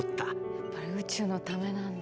やっぱり宇宙のためなんだ。